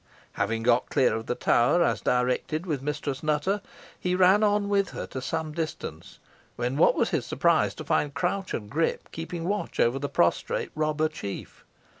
Having got clear of the tower, as directed, with Mistress Nutter, he ran on with her to some distance, when what was his surprise to find Crouch and Grip keeping watch over the prostrate robber chief.